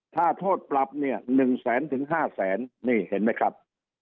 ถ้าโทษปรับเนี่ย๑แสนถึง๕แสนนี่เห็นไหมครับ